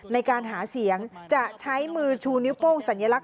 ในการหาเสียงจะใช้มือชูนิ้วโป้งสัญลักษ